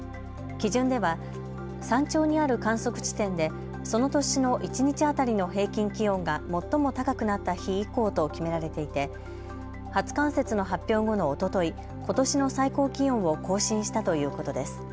基準では山頂にある観測地点でその年の一日当たりの平均気温が最も高くなった日以降と決められていて初冠雪の発表後のおととい、ことしの最高気温を更新したということです。